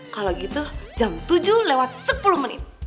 kalau gitu jam tujuh lewat sepuluh menit